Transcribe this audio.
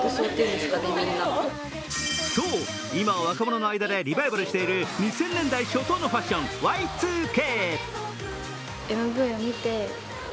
そう、今若者の間でリバイバルしている２０００年代初頭のファッションＹ２Ｋ。